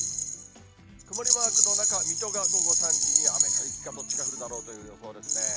曇りマークの中、水戸が午後３時に雨か雪かどっちか降るだろうという予想ですね。